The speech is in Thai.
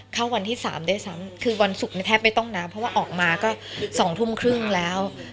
เข้าวันที่สามคือวันศุกร์แทบไม่ต้องนะเพราะว่าออกมาก็สองทุ่มครึ่งแล้ว